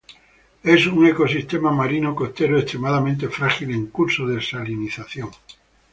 Es un ecosistema marino-costero extremadamente frágil en curso de salinización.